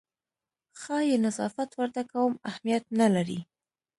ښایي نظافت ورته کوم اهمیت نه لري.